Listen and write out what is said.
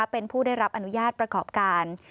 เป็นผู้ได้รับอนุญาตประกอบการ